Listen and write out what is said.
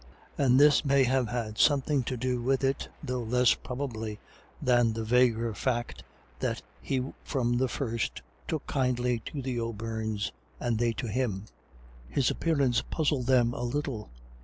And this may have had something to do with it, though less, probably, than the vaguer fact that he from the first "took kindly" to the O'Beirnes, and they to him. His appearance puzzled them a little.